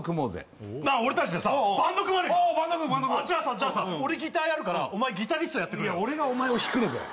俺たちでさバンド組まねえかバンド組むバンド組むじゃあさ俺ギターやるからおまえギタリストやってくれよいや俺がおまえを弾くのかよ